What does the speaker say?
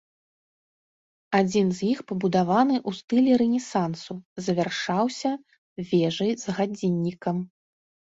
Адзін з іх пабудаваны ў стылі рэнесансу, завяршаўся вежай з гадзіннікам.